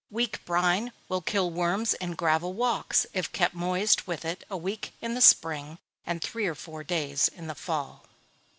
Weak brine will kill worms in gravel walks, if kept moist with it a week in the spring, and three or four days in the fall.